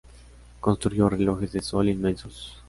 Construyó relojes de sol inmensos.